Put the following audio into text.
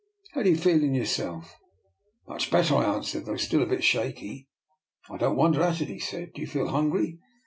How do you feel in yourself? "" Much better," I answered, " though still a bit shaky." " I don't wonder at it," he said. " Do you feel hungry?